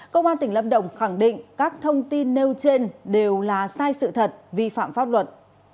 công an tỉnh lâm đồng khẳng định các thông tin nêu trên đều là sai sự thật vi phạm pháp luật